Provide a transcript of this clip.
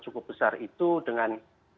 cukup besar itu dengan